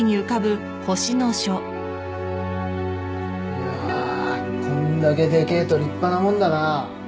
うわこんだけでけえと立派なもんだな。